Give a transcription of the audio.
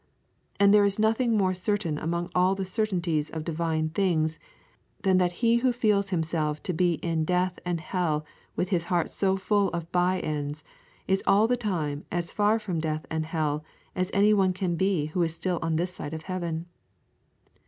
And there is nothing more certain among all the certainties of divine things than that he who feels himself to be in death and hell with his heart so full of by ends is all the time as far from death and hell as any one can be who is still on this side of heaven.